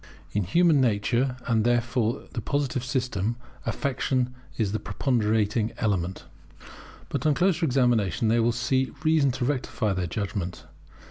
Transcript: [In human nature, and therefore in the Positive system, Affection is the preponderating element] But on closer examination they will see reason to rectify their judgment.